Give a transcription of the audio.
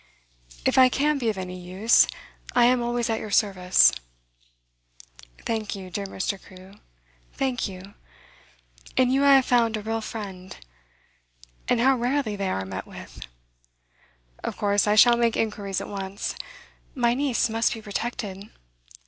'If I can be of any use, I am always at your service.' 'Thank you, dear Mr. Crewe, thank you! In you I have found a real friend, and how rarely they are met with! Of course I shall make inquiries at once. My niece must be protected.